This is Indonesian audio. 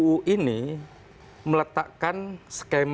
nah ruu ini meletakkan skandal tersebut